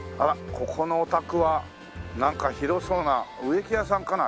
ここのお宅はなんか広そうな植木屋さんかな？